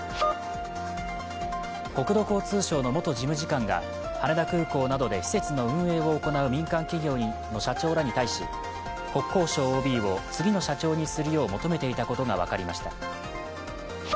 国土交通省の元事務次官が羽田空港などで施設の運営を行う民間企業の社長らに対し、国交省ＯＢを次の社長にするよう求めていたことが分かりました。